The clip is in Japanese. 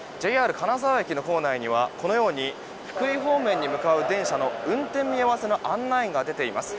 ＪＲ金沢駅の構内にはこのように福井方面に向かう電車の運転見合わせの案内が出ています。